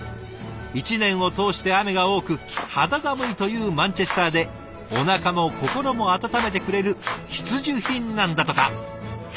一年を通して雨が多く肌寒いというマンチェスターでおなかも心も温めてくれる必需品なんだとか。